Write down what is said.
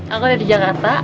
aku dari jakarta